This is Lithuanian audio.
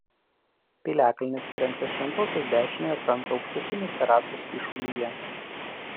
Piliakalnis įrengtas Šventosios dešiniojo kranto aukštutinės terasos kyšulyje.